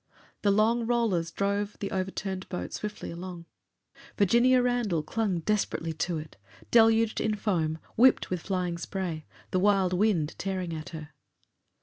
The long rollers drove the over turned boat swiftly along. Virginia Randall clung desperately to it, deluged in foam, whipped with flying spray, the wild wind tearing at her.